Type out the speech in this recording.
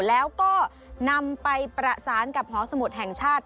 แล้วก็นำไปประสานกับหอสมุทรแห่งชาติ